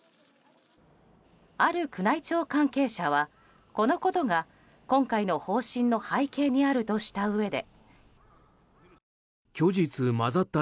ある宮内庁関係者はこのことが今回の方針の背景にあるとしたうえで。